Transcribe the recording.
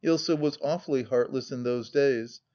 Usa was awfully heartless in those days.